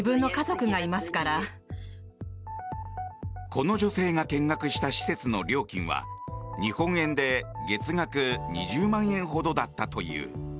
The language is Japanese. この女性が見学した施設の料金は日本円で月額２０万円ほどだったという。